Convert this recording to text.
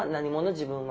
自分は。